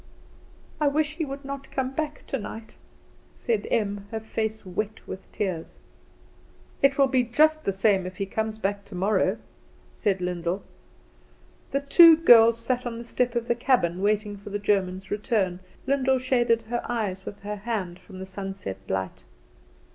"I wish he would not come back tonight," said Em, her face wet with tears. "It will be just the same if he comes back tomorrow," said Lyndall. The two girls sat on the step of the cabin weeping for the German's return. Lyndall shaded her eyes with her hand from the sunset light.